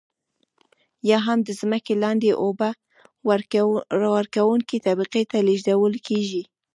یا هم د ځمکې لاندې اوبه ورکونکې طبقې ته لیږدول کیږي.